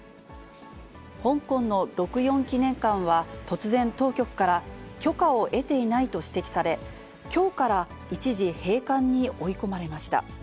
香港の六四記念館は、突然、当局から許可を得ていないと指摘され、きょうから一時、閉館に追い込まれました。